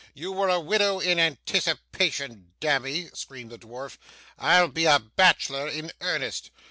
You were a widow in anticipation. Damme,' screamed the dwarf, 'I'll be a bachelor in earnest.